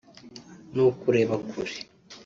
ni ukureba kure